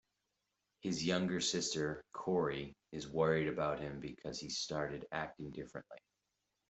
His younger sister, Corey, is worried about him because he started acting differently.